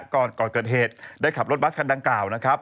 ก่อนก่อนเกิดเหตุได้ขับรถบัสคันดังกล่าวนะครับ